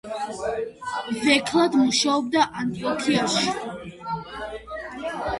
ვექილად მუშაობდა ანტიოქიაში.